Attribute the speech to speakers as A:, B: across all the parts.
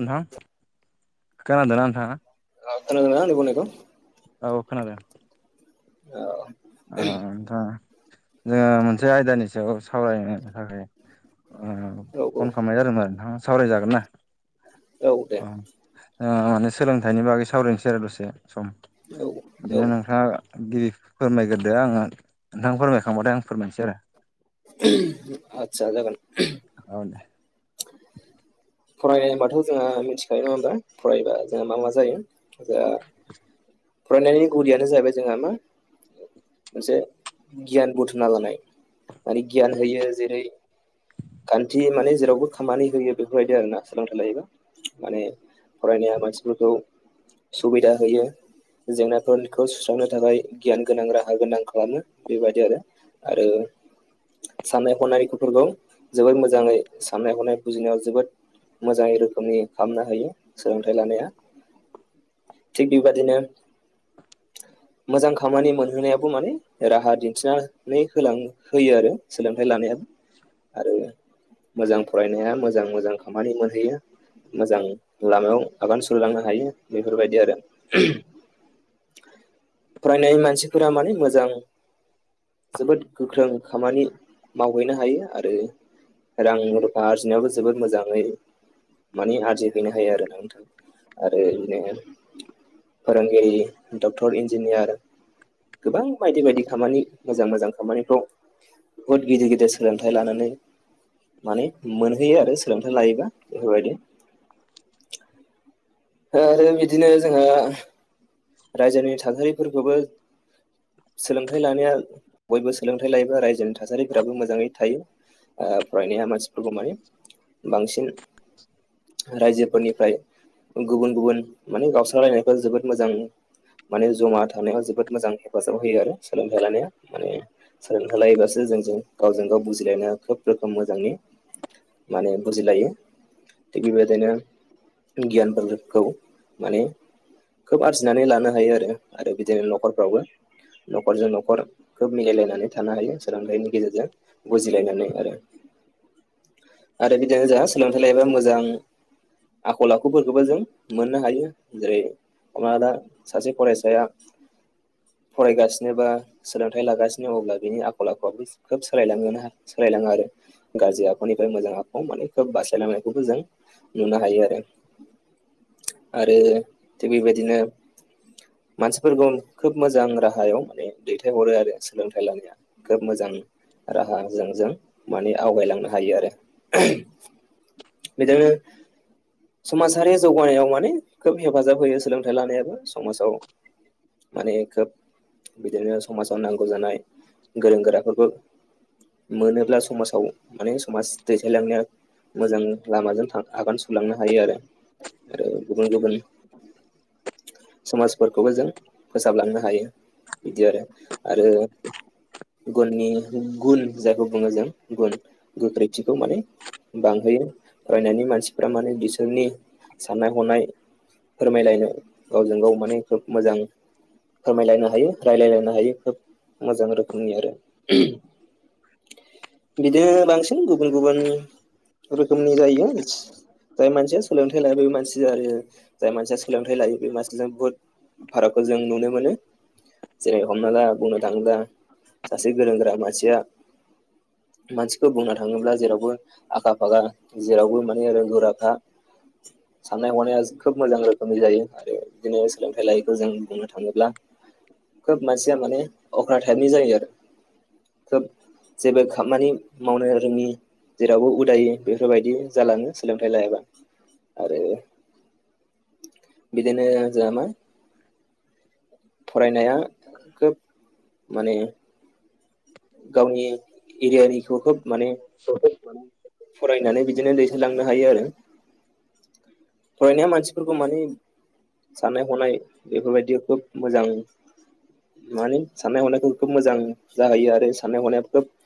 A: औ नोंथां। खोनादों नोंथांआ?
B: ओ खोनादों ना आंनि बुंनायखौ?
A: औ खोनादों।
B: औ।
A: ओ दा जोङो मोनसे आयदानि सायाव सावरायनो थाखाय ओ फन
B: औ
A: खालामनाय जादोंमोन आरो नोंथांआ सावरायजागोन ना?
B: औ दे।
A: ओ माने सोलोंथाइनि बागै सावरायनोसै आरो दसे। सम
B: औ औ
A: बिदिनो नोंथां गिफ फोरमायग्रोदो आङो नोंथां फोरमायखांबाथाय आं फोरमायनोसै आरो।
B: आतसा जागोन।
A: औ दे
B: फरायनो होनबाथ' जोंहा मिथिखायो नङा होमबा फरायबा जोंहा मा मा जायो। दा फरायनायनि गुदियानो जाहैबाय जोंहा मा मोनसे गियान बुथुमना लानाय माने गियान होयो जेरै खान्थि माने जेरावबो खामानि होयो बेफोरबायदि आरोना सोलोंथाइ लायोबा माने फरायनाया मानसिफोरखौ सुबिदा होयो। जेंनाफोरखौ सुस्रांनो थाखाय गियान गोनां राहा गोनां खालामो बेबायदि आरो। आरो साननाय हनाय गथ'फोरखौ। जोबोद मोजाङै साननाय हनाय बुजिनायाव जोबोद मोजाङै रोखोमनि खालामनो होयो सोलोंथाइ लानाया। थिक बिबादनो
A: [inaudible]
B: मोजां खामानि मोनहोनायाबो माने राहा दिन्थिनानै होलां- होयो आरो सोलोंथाइ लानायाबो।
A: [inaudible]
B: आरो मोजां फरायनाया मोजां मोजां खामानि मोनहैयो। मोजां लामायाव आगान सुरलांनो हायो बेफोरबायदि आरो।
A: [inaudible]
B: फरायनाय मानसिफोरा माने मोजां जोबोद गोख्रों खामानि मावहैनो हायो आरो आरो रां रुफा आरजिनायाबो जोबोद मोजाङै माने आरजिफैनो हायो आरो नोंथां आरो बिदिनो फोरोंगिरि डक्टर इन्जिनियार गोबां बायदि बायदि खामानि मोजां मोजां खामानिफ्राव बुहुत गिदिर गिदिर सोलोंथाइ थाय लानानै माने मोनहैयो आरो सोलोंथाइ लायोबा बेफोरबायदि। आरो बिदिनो जोंहा रायजोनि थासारिफोरखौबो सोलोंथाइ लानाया बयबो सोलोंथाइ लायोबा रायजोनि थासारिफोराबो मोजाङै थायो। ओ फरायनाया मानसिफोरखौ माने बांसिन रायजोफोरनिफ्राय गुबुन गुबुन माने गावस्रालायनायफोर जोबोद मोजां माने जमा थानायाव जोबोद मोजां हेफाजाब होयो आरो सोलोंथाइ लानाया माने सोलोंथाइ लायोबासो जोंजों गावजों गाव बुजिलायनाया खोब रोखोम मोजांनि माने बुजिलायो थिग बेबायदिनो गियान मुलुगखौ माने खोब आरजिनानै लानो हायो आरो आरो बिदिनो न'खरफ्रावबो न'खरजों न'खर खोब मिलायलायनानै थानो हायो सोलोंथाइनि गेजेरजों बुजिलायनानै आरो।
A: [inaudible]
B: आरो बिदिनो जोंहा सोलोंथायाइ लायोबा मोजां आखल आखुफोर बो जों मोननो हायो जेरै हमना दा सासे फरायसाया फरायगासिनो बा सोलोंथाइ लागासिनो अब्ला बिनि आखल आखुआबो खोब सोलायलांयोना। बायलाङो आरो गाज्रि आखुनिफ्राय मोजां आखु माने खोब बासायलांनायखौबो जों नुनो हायो आरो आरो थिग बेबायदिनो मानसिफोरखौ खोब मोजां राहायाव माने दैथायहरो आरो सोलोंथाइ लानाया खोब मोजां राहाजों जों माने आवगायलांनो हायो आरो बिदिनो समाज थासारि जौगानायाव माने खोब हेफाजाब होयो। सोलोंथायाइ लानायाबो समाजाव माने खोब बिदिनो समाजाव नांगौ जानाय गोरों गोराफोरखौ मोनोब्ला समाजाव माने समाज दैथायायलांनाया मोजां लामाजों आगान सुरलांनो हायो आरो आरो गुबुन गुबुन समाजफोरखौबो जों फोसाबलांनो हायो। बिदि आरो आरो गुननि गुन जायखौ बुङो जों गुन गोख्रैथिखौ माने बांहोयो फरायनायनि मानसिफ माने बिसोरनि साननाय हनाय फोरमायलायनो गावजों गाव माने खोब मोजां फोरमायलायनो हायो रायलायलायनो हायो खोब मोजां रोखोमनि आरो बिदिनो बांसिन गुबुन गुबुन रोखोमनि जायो जाय मानसिया सोलोंथाइ लायो बे मानसिजों आरो जाय मानसिया सोलोंथाइ लायो बे मानसिजों बुहुत भारतखौ जों नुनो मोनो। जेरै हमनाङा बुंनो थाङोब्ला सासे गोरों गोरा मानसिया मानसिखौ बुंनो थाङोब्ला जेरावबो आखा फाखा जेरावबो माने रों गुराखा
A: [inaudible]
B: साननाय हनाया खोब मोजां रोखोमनि जायो आरो बिदिनो सोलोंथाइ लायैखौ जों बुंनो थाङोब्ला खोब मानसिया माने अख्रा टाइपनि जायो आरो खोब जेबो खामानि मावनो रोङि जेरावबो उदायो बेफोरबायदि जालाङो सोलोंथाइ लायाबा आरो बिदिनो जों मा फरायनाया खोब माने गावनि एरियानिखौ खोब माने फरायनानै बिदिनो दैथलांनो हायो आरो फरायनाया मानसिफोरखौ माने साननाय हनाय बेफोरबायदि खोब मोजां मानि साननाय हनायखौ खोब मोजां जाहैयो आरो साननाय हनाया खोब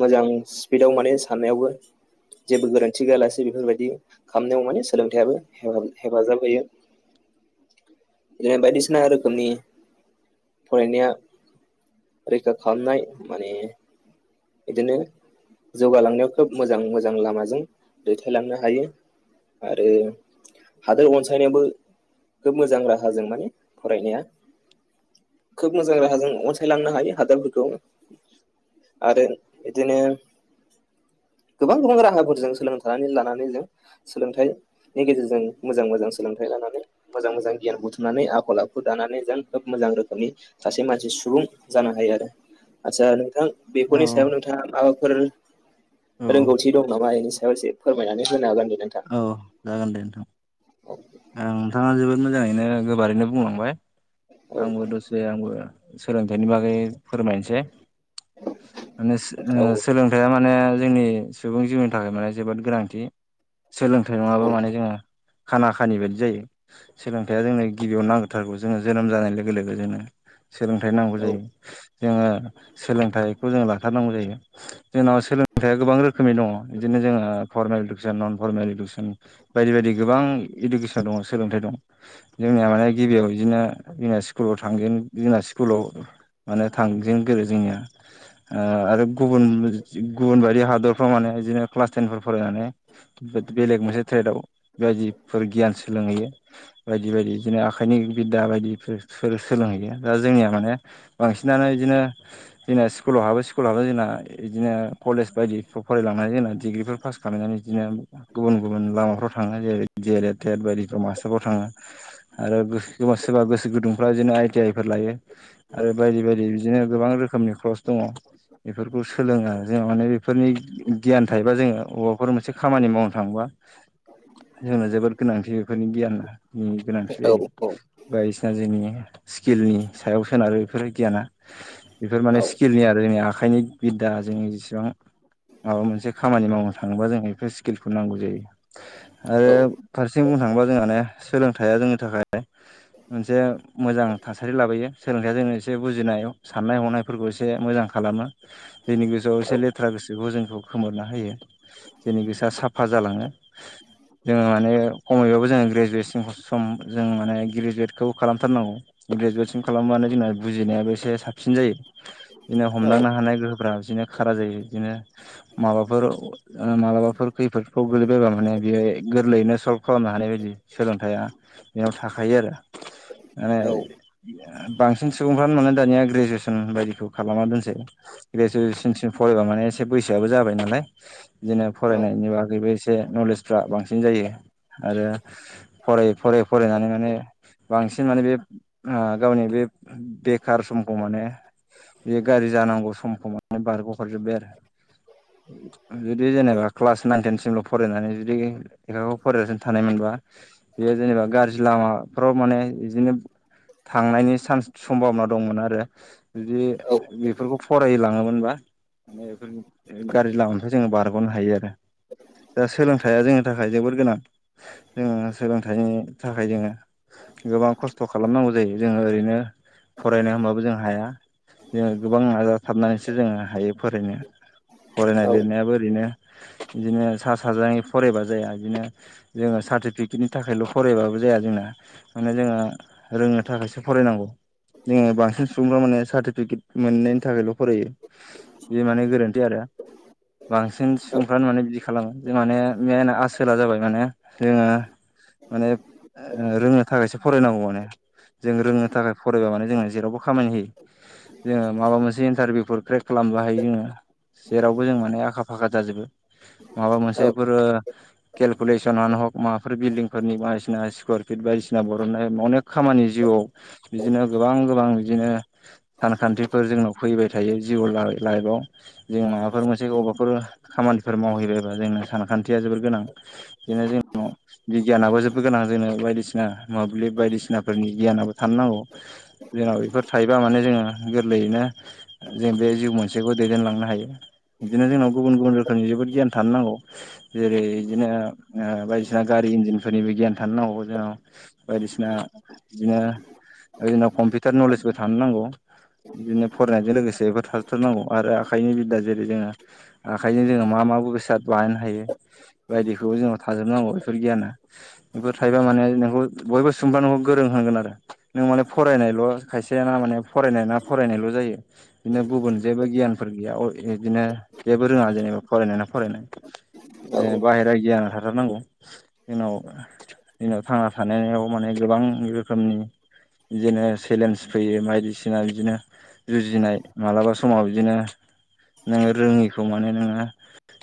B: मोजां स्पिडाव माने साननायावबो जेबो गोरोन्थि गैयालासेै बेफोरबायदि खालामनायाव माने सोलोंथाइयाबो हेफाजाब होयो।
A: [inaudible]
B: बिदिनो बायदिसिना रोखोमनि फरायनाया रैखा खालामनाय माने बिदिनो जौगालांनायाव खोब मोजां मोजां लामाजों दैथायलांनो हायो। आरो हादोर अनसायनायाबो खोब मोजां राहाजों माने फरायनाया खोब मोजां राहाजों अनसायलांनो हायो हादरफोरखौ आरो बिदिनो
A: [inaudible]
B: गोबां गोबां राहाफोरजों सोलोंथानानै लानानै जों सोलोंथाइनि गेजेरजों मोजां मोजां सोलोंथाइ मोजां मोजां गियान बुथुमनानै आखल आखु दानानै जों खोब मोजां रोखोमनि सासे मानसि सुबुं जानो हायो आरो आचसा नोंथां
A: औ
B: बेफोरनि सायाव नोंथाङा माबाफोर
A: औ
B: रोंगौथि दं नामा? बेनि सायाव एसे फोरमायनानै होनो हागोन नोंथां
A: औ जागोन दे नोंथां।
B: औ
A: ओं नोंथाङा जोबोद मोजाङैनो गोबारैनो बुंलांबाय।
B: औ
A: आंबो दसे आंबो सोलोंथाइनि बागै फोरमायनोसै। मोस मोस सोलोंथाइया माने जोंनि सुबुं जिउनि थाखाय माने जोबोद गोनांथि। सोलोंथाइ नंङाबा
B: औ
A: माने जोङो खाना बेबायदि जायो सोलोंथाइया जोंनो गिबियाव नांगथारगौ जोङो जोनोम जानाय लोगो लोगो जोंनो सोलोंथाइ नांगौ
B: औ
A: जायो जोङो सोलोंथाइखौ जोङो लाथारनांगौ जायो। जोंनाव सोलोंथाइ गोबां रोखोमनि दङ बिदिनो जोंहा फरमेल इडुकेसन नन फरमेल इडुकेसन बायदि बायदि गोबां इडुकेसन दङ सोलोंथाइ दं जोंनिया माने गिबियाव बिदिनो जोंना स्कुलाव थांगोन जोंना स्कु स्कुलाव माने थांजेन गोरो जोंनिया ओ आरो गुबुन गुबुन बाय दि बे हादरफ्राव माने बिदिनो क्लास टेनफोर फरायनानै बेलेग मोनसे ट्रेडाव बेदि फोर गियान सोलोंहैयो बायदि बायदि इदिनो आखाइनि बिद्दा बायदि फोर सो-सोलोंहैयो दा जोंनिया माने बांसिनानो बिदिनो जोंना स्कुलाव हाबो स्कुलाव हाबो जोंना इदिनो कलेज बायदिफ्राव फरायलांनानै जोंना डिग्रिफोर पास खालामलायनानै इदिनो गुबुन गुबुन लामाफ्राव थांनाय जायो। जेरै टेड बायदि मास्टारफ्राव थाङो आरोबा सोरबा गोसो गुदुंफ्रा बिदिनो आइ टि आइ फोर लायो। आरो बायदि बायदि बिदिनो गोबां रोखोमनि क्रस दङ। बेफोरखौ सोलोङो जोंहा माने बेफोरनि गियान थायोबा जोङो अबेबाफोर मोनसे खामानि मावनो थाङोबा जोंनो जोबोद गोनांथि बेफोरनि गियाननि गोनांथि
B: औ
A: जायो बायदिसिना जोंनि स्किलनि सायाव सोनारो बेफोर गियाना बेफोर माने
B: औ
A: स्किलनि आरो जोंनि आखाइनि बिदा जों जेसेबां माबा मोनसे खामानि मावनो थाङोबा जों बेफोर स्किलखौ नांगौ जायो।
B: औ
A: आरो फारसेजों बुंनो थाङोबा जोंहानो सोलोंथाइया जोंनि थाखाय मोनसे मोजां थासारि लाबोयो सोलोंथाइया जोङो एसे बुजिनाय साननाय हनायफोरखौ एसे मोजां खालामो जोंनि गोेसोआव एसे लेथ्रा गोसोखौ जों खौ खोमोरना होयो जोंनि गोसोआ साफा जालाङो। जोङो माने खमैबाबो जोङो ग्रेजुवेटसिनखौ सम जों माने ग्रेजुवेटखौ खालामथारनांगौ ग्रेजुवेटसिम खालामबानो जोंना बुजिनायाबो एसे साबसिन जायो। बिदिनो हमदांनो हानाय गोहोफ्रा बिदिनो खारा जायो बिदिनो माबाफोर मालाबाफोर खैफोदफ्राव गोगलैबायबा माने बेयो गोरलैयैनो सल्भ खालामनो हानाय बायदि। सोलोंथाइया बेयाव थाखायो आरो माने ओ बांसिन सुबुंफ्रानो माने दानिया ग्रेजुवेसन बायदिखौ खालामना दोनसै ग्रेजुवेसनसिम फरायबा माने एसे बैसोआबो जाबाय नालाय बिदिनो फरायनायनि बागैबो एसे नलेजफ्रा बांसिन बिदिन जायो आरो फराय फरायै फरायनानै माने बांसिन माने बे ओ गावनि बे बेखार समखौ माने बे गाज्रि जानांगौ समखौ बारग' हरजोबबाय आरो जुदि जेनेबा क्लास नाइन तेन सिमल' फरायनानै [unintelligible] लेखाखौ फरायगासिनो थानायमोनबा बेयो जेनेबा गाज्रि लामाफ्राव माने बिदिनो थांनायनि सान्स सम्भाबना दंमोन आरो बिदि बेफोरखौ फराय लाङोमोनबा। [unintelligible] गाज्रि लामानिफ्राय जोङो बारग'नो हायो आरो दा सोलोंथाइया जोंनि थाखाय जोबोद गोनां जोङो सोलोंथाइनि थाखाय जोङो गोबां खस्थ' खालामनां गौ जायो जोङो ओरैनो फरायनो हबाबो जों हाया। जोङो गोबां नाजाथाबनानैसो जोङो हायो फरायनो। फरायनाय लिरनायाबो ओरैनो बिदिनो सा सााजै फरायबा जाया बिनो जोङो सारटिफिकेथ नि थाखायल फरायबा जाया जोंना जोङो रों नो थाखायसो फरायनांगौ। जोङो बांसिन सुबुंफ्रा माने सार्टिफिकेट मोननायनि थाखायल' फरायो बे माने गोरोन्थि आरो बांसिन सुबुंफ्रानो माने बिदि खालामो जों माने मेेनआ आसोला जाबाय माने जोङो माने रोंनो थाखायसो फरायनांगौ माने जों रोंनो थाखाय फरायबा माने जोंनो जेरावबो खामानि होयो जोङो माबा मोनसे इन्टारभिउफोर क्रेक खालामबाय हायो जोङो जेरावबो जों माने आखा फाखा जाजोबो माबा मोनसेफोरो केलकुलेसनानो हग माबाफोर बिल्डिंफोरनि बायदिसिना स्कुवार फिट बायदिसिना बरननाय अने खामानि खानि जिउआव बिदिनो गोबां गोबां बिदिनो सानखान्थिफोर जोंनाव फैबाय थायो जिउआव लाइआव जों माबाफोर मोनसे गबबाफोर खामानिफोर मावहैबायबा जोंनो सानखान्थि या जोबोर गोनां जोंनो जोंनि [unintelligible] बिगियानाबो जोबबो गोनां जोंनो बायदिसिना मोब्लिब बायदिसिनाफोरनि गियानाबो थानो नांगौ जोंनाव बेफोर थायोबा माने जोङो गोरलैयैनो जों बे जिउ मोनसेखौ दैदेनलांनो हायो बिदिनो जोंनाव गुबुन गुबुन रोखोमनि जोबोद गियान थानो नांगौ जेरै बिदिनो बायदिसिना गारि इन्जिनफोरनिबो गियान थानो नांगौ जोंनाव बायदिसिना बिदिनो ओनाव कम्पिउटार नलेजबो थानो नांगौ बिदिनो फरायनायजों लोगोसे बेफोर थाजोबथारनांगौ आरो आखाइनि बिदा जेरै जोङो आखाइजों जोङो मा मा बेसाद बानायनो हायो बायदिखौ जोंनाव थाजोबनांगौ बेफोर गैयाना बेफोर थाइबा माने नोंखौ बयबो सोंबा गोरोंहांगोन आरो नों माने फरायनायल' खायसे ना माने फरायनाय ना फरायनायल' जायो बिदिनो गुबुन जेबो गियानफोर गैया बिदिनो जेबो रोङा जेनेबा फरायनानै फरायनाय बाहेरा गियाना थारनांगौ जोंनाव जोंनाव थांना थानायाव माने गोबां रोखोमनि बिदिनो चेलेन्ज फैयो बायदिसिना बिदिनो जुजिनाय मालाबा समाव बिदिनो नोङो रोङिखौ माने नोङो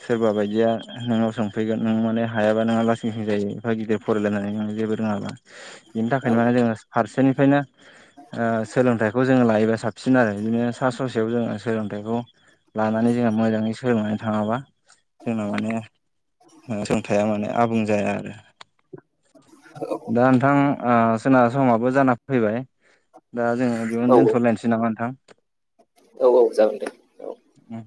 A: सोरबा बायदिया नोंनाव सोंफैगोन नों माने हायाबा नोंहा लासं लासं जायो एफा गिदिर फरायलायनानै नों जेबो रोङाबा बिनि थाखायनो माने
B: औ
A: जोङो फारसेनिफ्रायनो ओ सोलोंथाइखौ जोङो लायोबा साबसिन आरो बिदिनो सा ससेयाव जोङो सोलोंथाइखौ लानानै जोंना मोजाङै सोलोंनानै थाङाबा जोंना माने सोंथाया माने आबुं जाया आरो दा नोंथां आ सोरनााब समाबो जाना फैबाय दा जोङो बेयावनो
B: औ
A: दोनथ'लायनोसै नामा नोंथां
B: औ औ जागोन दे औ
A: उम